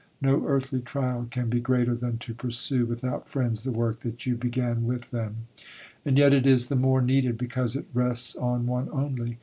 No earthly trial can be greater than to pursue without friends the work that you began with them. And yet it is the more needed because it rests on one only.